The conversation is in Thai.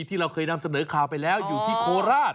ที่เราเคยนำเสนอข่าวไปแล้วอยู่ที่โคราช